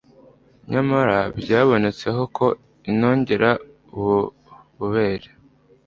nyamara byabonetseho ko inongera ububobere